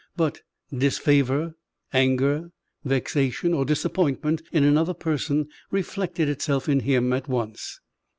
But disfavour, anger, vexation, or disappointment in another person reflected itself in him at once.